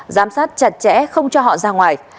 giám sát chặt chẽ không cho họ ra ngoài